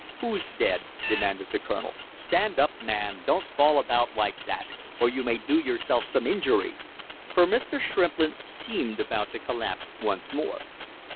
"Who's dead?" demanded the colonel. "Stand up, man, don't fall about like that or you may do yourself some injury!" for Mr. Shrimplin seemed about to collapse once more.